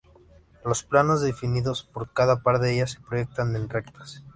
Los planos definidos por cada par de ellas se proyectan en rectas.